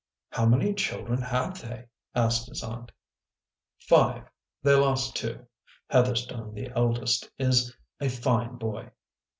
" How many children have they ?" asked his aunt. " Five, they lost two. Heatherstone, the eldest, is a fine boy."